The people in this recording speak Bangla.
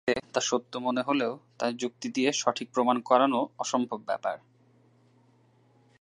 তাই নিজের দৃষ্টিতে তা সত্য মনে হলেও তা যুক্তি দিয়ে সঠিক প্রমাণ করানো অসম্ভব ব্যাপার।